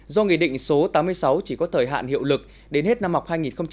do nghị định số tám mươi sáu chỉ có thời hạn hiệu lực đến hết năm học hai nghìn hai mươi hai nghìn hai mươi